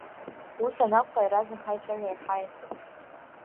Ус анакәха иаразнак ҳаицәажәарахь ҳаиасып.